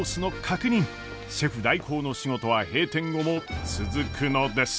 シェフ代行の仕事は閉店後も続くのです。